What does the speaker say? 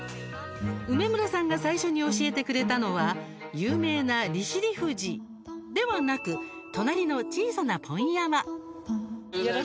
梅村さんが最初に教えてくれたのは有名な利尻富士ではなく隣の小さなポン山。